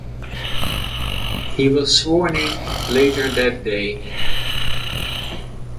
He was sworn in later that day.